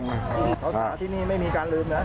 เพราะฉะนั้นที่นี่ไม่มีการลืมนะครับ